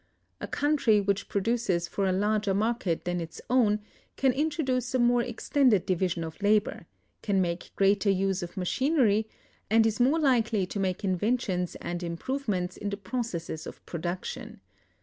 A country which produces for a larger market than its own can introduce a more extended division of labor, can make greater use of machinery, and is more likely to make inventions and improvements in the processes of production.